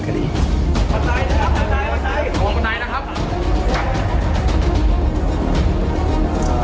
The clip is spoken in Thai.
บะใจครับบะใจนะคะ